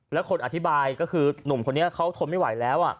แล้วคนอธิบายก็คือหนุ่มคนนี้เขาทนไม่ไหวแล้ว